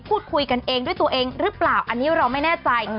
พูดคุยกันเองด้วยตัวเองหรือเปล่าอันนี้เราไม่แน่ใจ